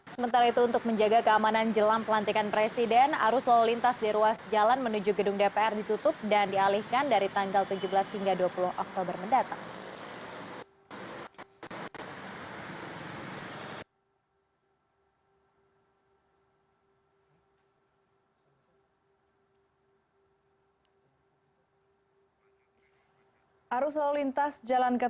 sementara itu untuk menjaga keamanan jelang pelantikan presiden arus lalu lintas di ruas jalan menuju gedung dpr ditutup dan dialihkan dari tanggal tujuh belas hingga dua puluh oktober mendatang